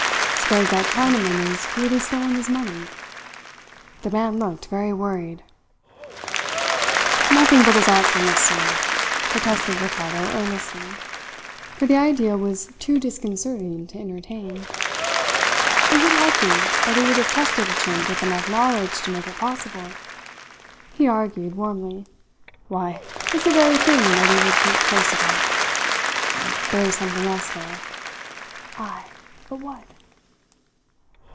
"Suppose that Chinaman has really stolen his money! The man looked very worried." "Nothing but his artfulness, sir," protested Ricardo earnestly, for the idea was too disconcerting to entertain. "Is it likely that he would have trusted a Chink with enough knowledge to make it possible?" he argued warmly. "Why, it's the very thing that he would keep close about. There's something else there. Ay, but what?"